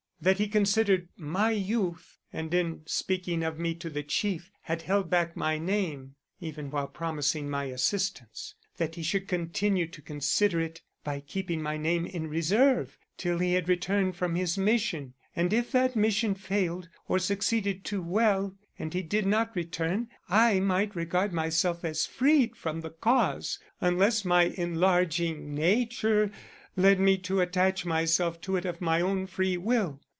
That he had considered my youth, and in speaking of me to the Chief had held back my name even while promising my assistance. That he should continue to consider it, by keeping my name in reserve till he had returned from his mission, and if that mission failed, or succeeded too well, and he did not return, I might regard myself as freed from the Cause, unless my enlarging nature led me to attach myself to it of my own free will.